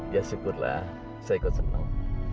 ya syukurlah saya ikut senang